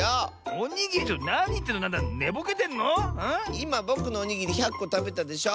いまぼくのおにぎり１００こたべたでしょ！